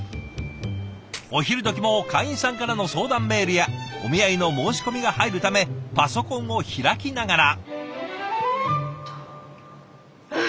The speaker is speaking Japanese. お昼どきも会員さんからの相談メールやお見合いの申し込みが入るためパソコンを開きながら。